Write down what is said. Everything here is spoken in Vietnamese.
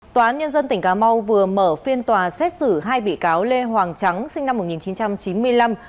tòa án nhân dân tỉnh cà mau vừa mở phiên tòa xét xử hai bị cáo lê hoàng trắng sinh năm một nghìn chín trăm chín mươi năm